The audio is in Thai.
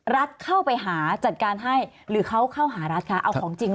รัฐเข้าไปหาจัดการให้หรือเขาเข้าหารัฐคะเอาของจริง